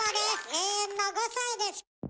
永遠の５さいです。